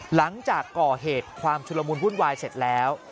หลังจากก่อเหตุความชุลมุนวุ่นวายเสร็จแล้ว